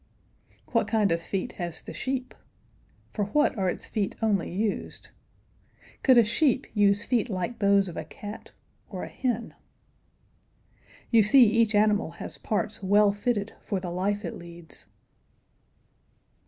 What kind of feet has the sheep? For what are its feet only used? Could a sheep use feet like those of a cat or a hen? You see each animal has parts well fitted for the life it leads.